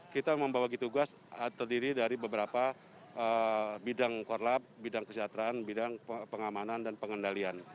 kita membawa tugas terdiri dari beberapa bidang korlab bidang kesehatan bidang pengamanan dan pengendalian